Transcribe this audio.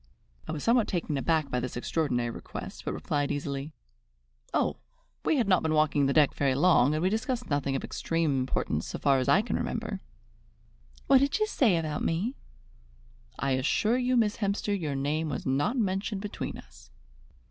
I was somewhat taken aback by this extraordinary request, but replied easily: "Oh, we had not been walking the deck very long, and we discussed nothing of extreme importance so far as I can remember." "What did she say about me?" "I assure you, Miss Hemster, your name was not mentioned between us."